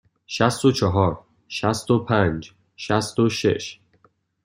شصت و چهار، شصت و پنج، شصت و شش.